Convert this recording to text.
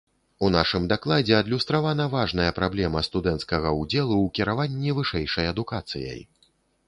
У нашым дакладзе адлюстравана важная праблема студэнцкага ўдзелу ў кіраванні вышэйшай адукацыяй.